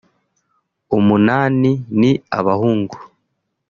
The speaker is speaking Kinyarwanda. umunani ni abahungu